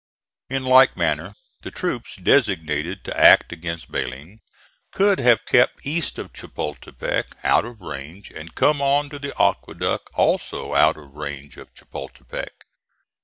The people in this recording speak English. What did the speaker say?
In like manner, the troops designated to act against Belen could have kept east of Chapultepec, out of range, and come on to the aqueduct, also out of range of Chapultepec.